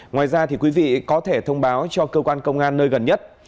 ngoài ra thì quý vị có thể thông báo cho cơ quan công an nơi gần nhất